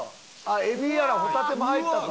エビやらホタテも入ったぞ。